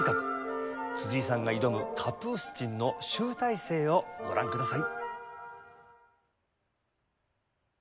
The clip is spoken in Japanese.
辻井さんが挑むカプースチンの集大成をご覧ください。